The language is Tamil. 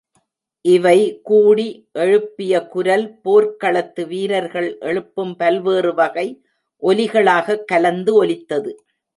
இவை கூடி எழுப்பிய குரல் போர்க் களத்து வீரர்கள் எழுப்பும் பல்வேறு வகை ஒலிகளாகக் கலந்து ஒலித்தது.